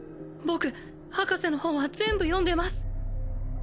僕博士の本は全部読んでます！